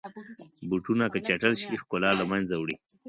بوټونه که چټل شي، ښکلا له منځه وړي.